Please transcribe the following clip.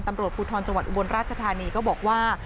ตำรวจภูทรจังหวัดอุบลราชธานีก็บอกว่า